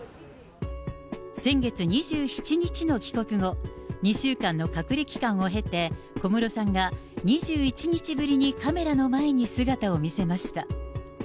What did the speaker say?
先月２７日の帰国後、２週間の隔離期間を経て、小室さんが２１日ぶりにカメラの前に姿を見せました。